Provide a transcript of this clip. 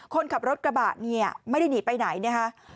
คนขับรถกระบะเนี่ยไม่ได้หนีไปไหนนะคะ